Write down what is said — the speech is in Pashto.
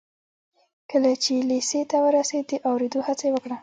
کله چې لېسې ته ورسېد د اورېدو هڅه یې وکړه